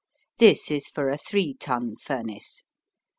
This is for a three ton furnace.